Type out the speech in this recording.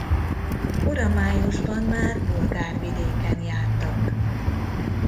Kora májusban már bolgár vidéken jártak.